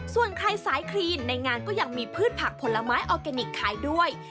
ส่วนใครสายคลีนในงานก็ยังมีพืชผักผลไม้ออร์แกนิคขายด้วย